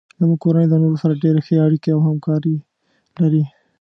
زمونږ کورنۍ د نورو سره ډیرې ښې اړیکې او همکاري لري